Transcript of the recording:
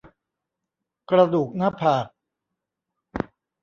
กระดูกหน้าผาก